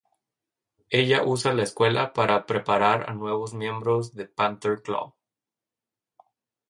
Ella usa la escuela para preparar a nuevos miembros de Panther Claw.